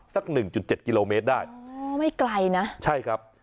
สักหนึ่งจุดเจ็ดกิโลเมตรได้อ๋อไม่ไกลนะใช่ครับ